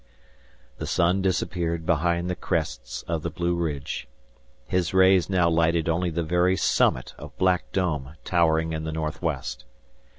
The sun disappeared behind the crests of the Blueridge. His rays now lighted only the very summit of Black Dome towering in the northwest.